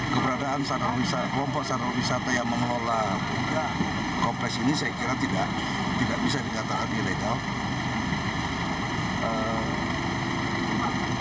keberadaan kelompok sadar wisata yang mengelola juga kompleks ini saya kira tidak bisa dikatakan ilegal